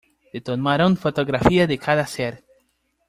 Se tomaron fotografías de cada ser.